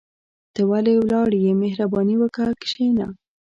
ته ولي ولاړ يى مهرباني وکاه کشينه